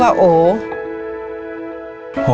โรค